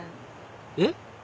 えっ？